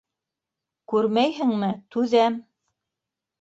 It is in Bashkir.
Күрмәйһеңме: түҙәм!